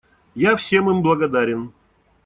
Я всем им благодарен.